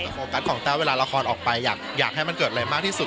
โฟกัสของแต้วเวลาละครออกไปอยากให้มันเกิดอะไรมากที่สุด